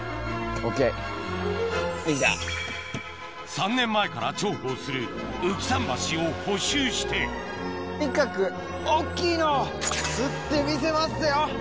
３年前から重宝する浮き桟橋を補修して大っきいのを釣ってみせますよ！